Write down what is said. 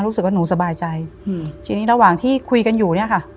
รู้สึกว่าหนูสบายใจอืมทีนี้ระหว่างที่คุยกันอยู่เนี่ยค่ะ